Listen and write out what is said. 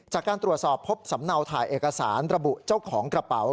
จากการตรวจสอบพบสำเนาถ่ายเอกสารระบุเจ้าของกระเป๋า